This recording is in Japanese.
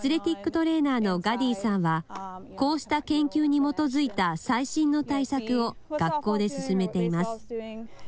トレーナーのガディさんは、こうした研究に基づいた最新の対策を学校で進めています。